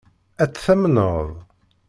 Ad tt-tamneḍ?